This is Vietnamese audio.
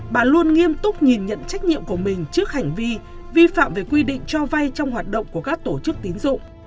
bà luôn nghiêm túc nhìn nhận trách nhiệm của mình trước hành vi vi phạm về quy định cho vay trong hoạt động của các tổ chức tín dụng